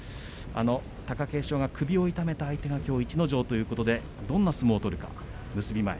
貴景勝が首を痛めた相手がきょうの逸ノ城ということでどんな相撲を取るのか、結び前。